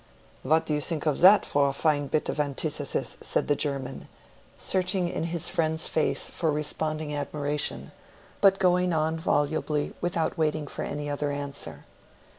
"What do you think of that for a fine bit of antithesis?" said the German, searching in his friend's face for responding admiration, but going on volubly without waiting for any other answer.